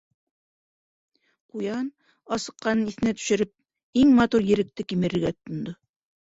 Ҡуян, асыҡҡанын иҫенә төшөрөп, иң матур еректе кимерергә тотондо.